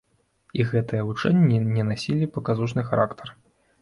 І гэтыя вучэнні не насілі паказушны характар.